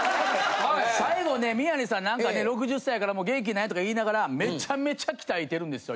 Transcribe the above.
最後ね宮根さん何かね６０歳やからもう元気ないとか言いながらめちゃめちゃ鍛えてるんですよ